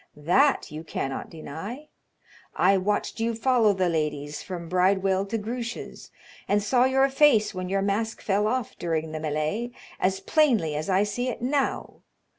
That you cannot deny. I watched you follow the ladies from Bridewell to Grouche's, and saw your face when your mask fell off during the mêleé as plainly as I see it now.